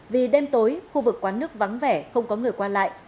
vì đêm tối khu vực quán nước vắng vẻ không có người qua lại